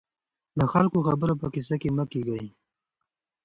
د خلکو د خبرو په کيسه کې مه کېږئ.